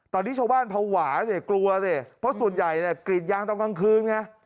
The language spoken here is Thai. ตอนนี้ชาวบ้านเผาหวาเกลวเพราะส่วนใหญ่กรีดยางต้องกลางคืน